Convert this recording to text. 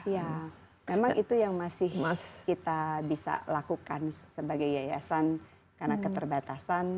ya memang itu yang masih kita bisa lakukan sebagai yayasan karena keterbatasan